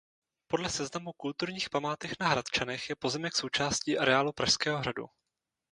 Podle seznamu kulturních památek na Hradčanech je pozemek součástí areálu Pražského hradu.